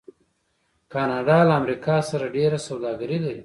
کاناډا له امریکا سره ډیره سوداګري لري.